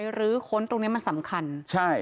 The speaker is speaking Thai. หรือค้นตรงเนี้ยมันสำคัญใช่